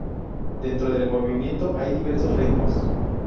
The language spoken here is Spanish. Dentro del movimiento hay diversos ritmos.